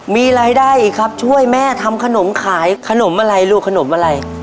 มีรายได้อีกครับช่วยแม่ทำขนมขายขนมอะไรลูกขนมอะไร